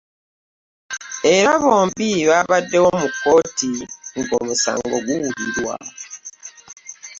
Era bombi babaddewo mu kkooti ng'omusango guwulirwa